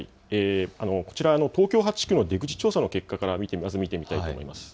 こちら、東京８区の出口調査の結果から見てみたいと思います。